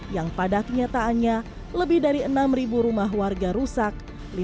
yang pada kenyataannya lebih dari enam rumah warga rusak